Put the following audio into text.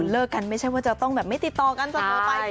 เลิกกันไม่ใช่ว่าจะต้องแบบไม่ติดต่อกันจนโทรไป